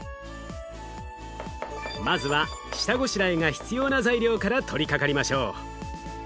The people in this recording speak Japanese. まずは下ごしらえが必要な材料から取りかかりましょう。